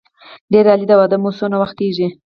ډېر عالي د واده مو څونه وخت کېږي.